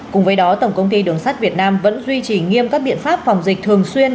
cùng với đó tổng công ty đường sắt việt nam vẫn duy trì nghiêm các biện pháp phòng dịch thường xuyên